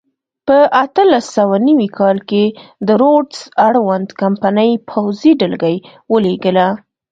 په اتلس سوه نوي کال کې د روډز اړوند کمپنۍ پوځي ډلګۍ ولېږله.